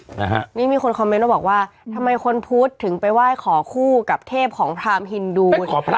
นะฮะนี่มีคนคอมเมนต์มาบอกว่าทำไมคนพุทธถึงไปไหว้ขอคู่กับเทพของพรามฮินดู